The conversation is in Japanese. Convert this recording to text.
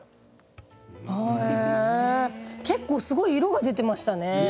結構すごい色が出ていましたね。